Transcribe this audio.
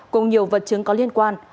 cùng nhiều vật chứng có liên quan